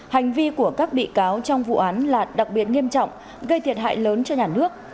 hành vi của các bị cáo trong vụ án là đặc biệt nghiêm trọng gây thiệt hại lớn cho nhà nước